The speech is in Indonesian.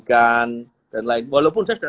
dan lain lain walaupun saya sudah